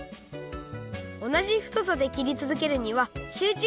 おなじふとさできりつづけるにはしゅうちゅ